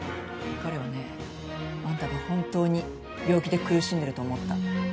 彼はねあんたが本当に病気で苦しんでると思った。